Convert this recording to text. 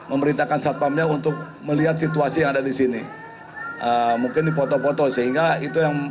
oleh karena client yang ingin mem besser pani